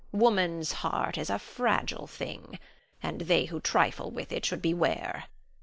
Woman's heart is a fragile thing, and they who trifle with it should beware.